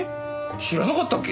知らなかったっけ？